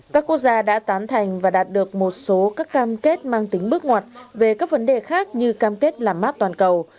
các quốc gia đã tán thành và đạt được một số các cam kết mang tính bước ngoặt về các vấn đề khác như cam kết làm mát toàn cầu